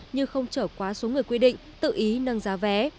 như không trở quá số người quy định tự ý nâng giá vé